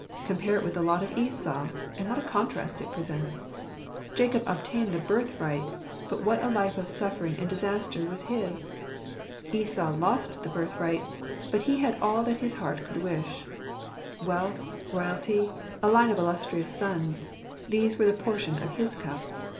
Compare it with the lot of Esau; and what a contrast it presents ! Jacob obtained the birthright; but what a life of suffering and disaster was his ? Esau lost the birthright; but he had all that heart could wish. Wealth, royalty, a line of illustrious sous— these were the portion of his cup.